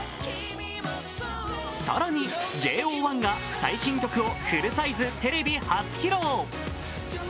更に、ＪＯ１が最新曲フルサイズテレビ初披露。